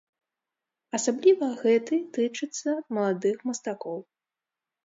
Асабліва гэты тычыцца маладых мастакоў.